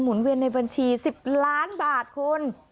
เวียนในบัญชี๑๐ล้านบาทคุณ